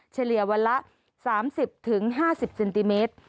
เฉลี่ยวันละ๓๐๕๐เซนติเมตร